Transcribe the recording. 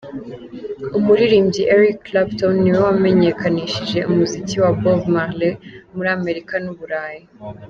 Umuririmbyi Eric Clapton niwe wamenyekanishije umuziki wa Bob Marley muri Amerika n’Uburayi.